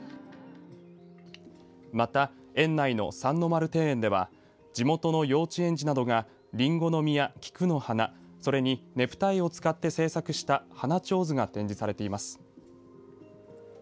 また園内の三の丸庭園では地元の幼稚園児などがりんごの実や菊の花、それにねぷた絵使って制作した花手水が展示されています。